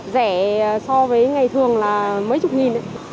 rẻ so với ngày thường là mấy chục nghìn ạ